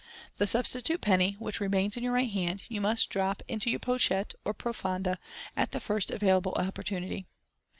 The substitute penny, which remains in your right hand, you must drop into your pochettt or profonde at the first available opportunity.